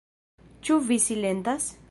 Ĉu vi silentas?